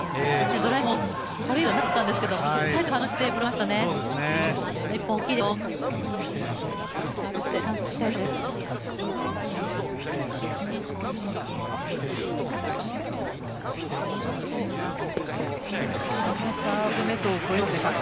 ドライブも軽いボールではなかったんですけどしっかり反応してブロックしましたね。